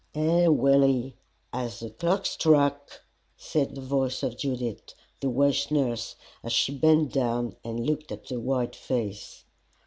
"Ay, Willie, as the clock struck!" said the voice of Judith, the Welsh nurse, as she bent down and looked at the white face.